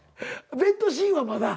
ベッドシーンはまだ？